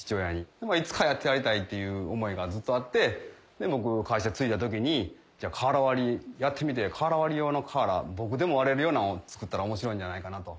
でもいつかはやってやりたいっていう思いがずっとあって僕会社継いだ時に瓦割りやってみて瓦割り用の瓦僕でも割れるようなのを作ったら面白いんじゃないかなと。